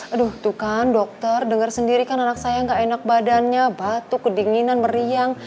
aduh tuh kan dokter dengar sendiri kan anak saya gak enak badannya batuk kedinginan meriang